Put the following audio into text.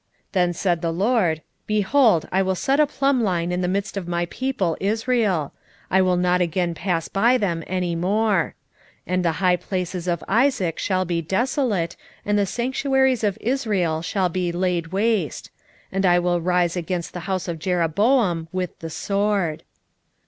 Then said the LORD, Behold, I will set a plumbline in the midst of my people Israel: I will not again pass by them any more: 7:9 And the high places of Isaac shall be desolate, and the sanctuaries of Israel shall be laid waste; and I will rise against the house of Jeroboam with the sword.